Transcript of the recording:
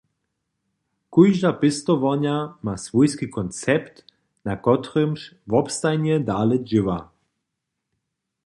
Kóžda pěstowarnja ma swójski koncept, na kotrymž wobstajnje dale dźěła.